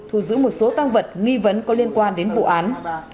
thu giữ một số tăng vật nghi vấn có liên quan đến vụ án